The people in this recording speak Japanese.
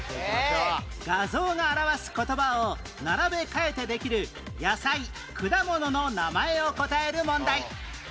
画像が表す言葉を並べ替えてできる野菜・果物の名前を答える問題